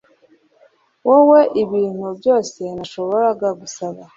Wowe nibintu byose nashoboraga gusaba.